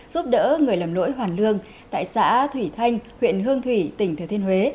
giúp đỡ người làm nỗi hoàn lương tại xã thủy thanh huyện hương thủy tỉnh thừa thiên huế